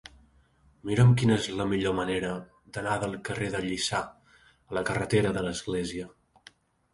Mira'm quina és la millor manera d'anar del carrer de Lliçà a la carretera de l'Església.